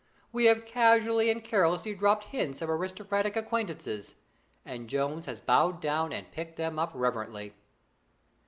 We have casually and carelessly dropped hints of aristocratic acquaintances, and Jones has bowed down and picked them up reverently.